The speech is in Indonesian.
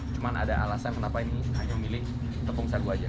cuman ada alasan kenapa ini hanya milih tepung sagu aja